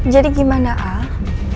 jadi gimana ah